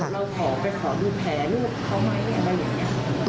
เราขอไปขอดูแผลนี่เขาไม่เห็นว่ามันอย่างนี้